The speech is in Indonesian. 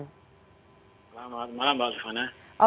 selamat malam mbak susanto